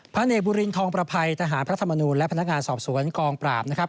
เนกบุรินทองประภัยทหารพระธรรมนูลและพนักงานสอบสวนกองปราบนะครับ